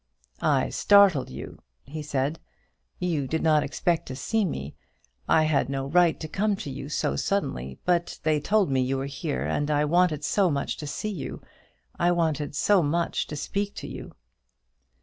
"I startled you," he said; "you did not expect to see me. I had no right to come to you so suddenly; but they told me you were here, and I wanted so much to see you, I wanted so much to speak to you."